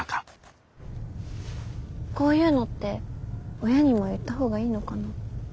こういうのって親にも言った方がいいのかな。